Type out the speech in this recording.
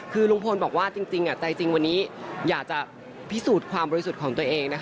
คือลุงพลบอกว่าจริงใจจริงวันนี้อยากจะพิสูจน์ความบริสุทธิ์ของตัวเอง